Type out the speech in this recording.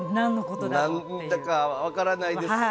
何だか分からないですか。